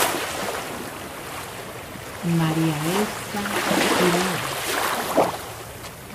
Maria Elsa Quiroga